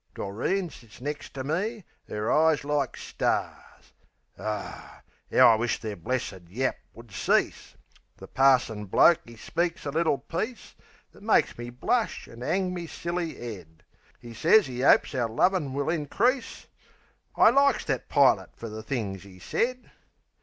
Doreen sits next ter me, 'er eyes like stars. O, 'ow I wished their blessed yap would cease! The Parson bloke 'e speaks a little piece, That makes me blush an' 'ang me silly 'ead. 'E sez 'e 'opes our lovin' will increase I LIKES that pilot fer the things 'e said.